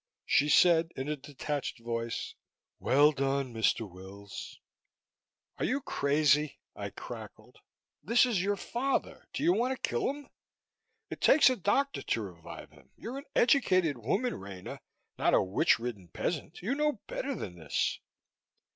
She said in a detached voice: "Well done, Mr. Wills." "Are you crazy?" I crackled. "This is your father. Do you want to kill him? It takes a doctor to revive him. You're an educated woman, Rena, not a witch ridden peasant! You know better than this!"